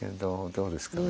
どうですか？